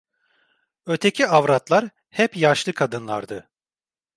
Öteki avratlar hep yaşlı kadınlardı.